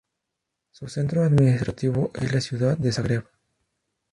Su centro administrativo es la ciudad de Zagreb.